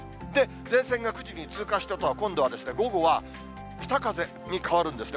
前線が９時に通過したあとは、今度は午後は、北風に変わるんですね。